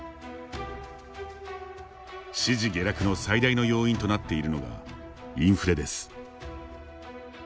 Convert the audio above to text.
支持下落の最大の要因となっているのが、インフレです。